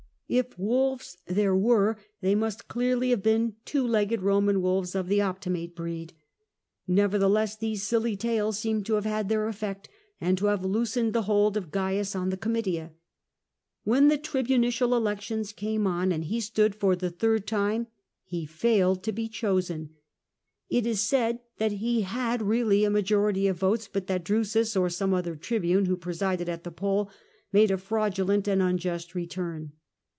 If wolves there were, they must clearly have been two legged Eoman wolves of the Opti mate breed. Nevertheless these silly tales seem to have had their effect, and to have loosened the hold of Cains on the Comitia. When the tribunicial elections came on, and he stood for the third time, he failed to be chosen. It is said that he had really a majority of votes, but that Drusus or some other tribune who presided at the poll made a fraudulent and unjust return.